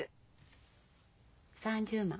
３０万。